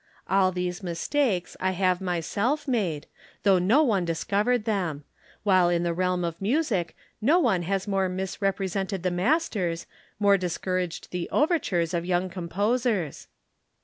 All these mistakes I have myself made, though no one discovered them; while in the realm of music no one has more misrepresented the masters, more discouraged the overtures of young composers."